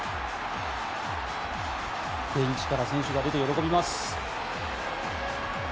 ベンチから選手が出て喜びます。